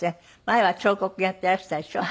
前は彫刻やっていらしたでしょ？